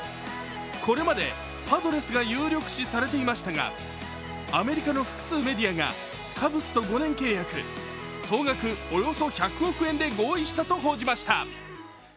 これまでパドレスが有力視されていましたがアメリカの複数メディアがカブスと５年契約、総額およそ１００億円で合意したと報じました。